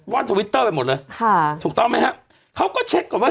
ทวิตเตอร์ไปหมดเลยค่ะถูกต้องไหมฮะเขาก็เช็คก่อนว่า